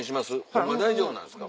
ホンマ大丈夫なんですか？